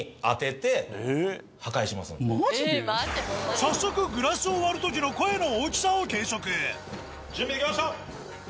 早速グラスを割る時の声の大きさを計測準備できました！